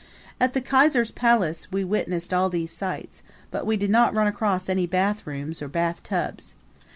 At the Kaiser's palace we witnessed all these sights, but we did not run across any bathrooms or any bathtubs.